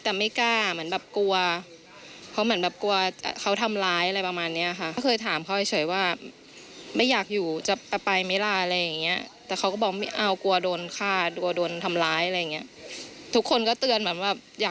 ทุกคนก็เตือนว่าอยากจะช่วยแต่ให้ทำยังไงได้